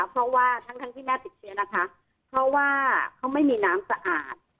เพราะว่าทั้งที่แม่ติดเชื้อนะคะเพราะว่าเขาไม่มีน้ำสะอาด